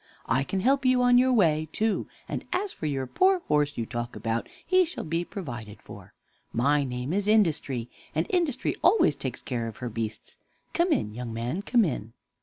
I can help you on your way, too; and as for your poor horse you talk about, he shall be provided for. My name is Industry, and Industry always takes care of her beasts. Come in, young man; come in."